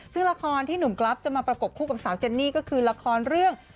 ซึ่งละครที่หนุ่มกรัฟจะมาประกบคู่กับสาวเจนนี่ก็คือละครเรื่อง